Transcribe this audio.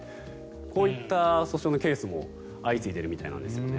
こういった訴訟のケースも相次いでいるみたいなんですよね。